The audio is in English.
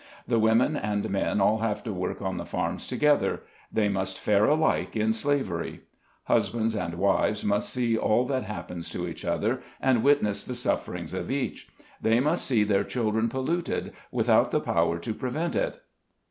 The women and men all have to work on the farms together ; they must fare alike in slav ery. Husbands and wives must see all that happens to each other, and witness the sufferings of each. 158 SKETCHES OF SLAVE LIFE. They must see their children polluted, without the power to prevent it.